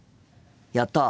やった！